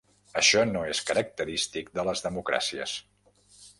Això no és característic de les democràcies.